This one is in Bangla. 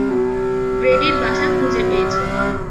গ্রেডির বাসা খুঁজে পেয়েছি।